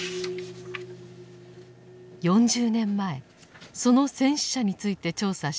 ４０年前その戦死者について調査した澤地さん。